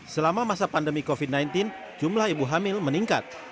selama masa pandemi covid sembilan belas jumlah ibu hamil meningkat